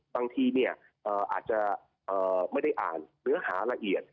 บางทีอาจจะไม่ได้อ่านเนื้อหาละเอียด